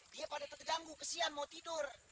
dia pada terganggu kesian mau tidur